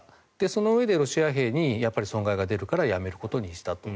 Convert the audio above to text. そのうえでロシア兵に損害が出るからやめることにしたと。